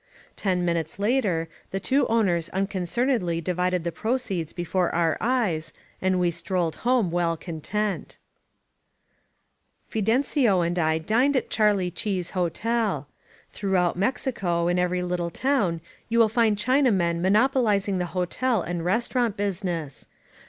Ten minutes later the two owners unconcernedly di vided the proceeds before our eyes, and we strolled home well content. S94 HAPPY VALLEY Fidencio and I dined at Charlie Chee's hotel. Throughout Mexico, in every little town, you will find Chinamen monopolizing the hotel and restaurant busi ness.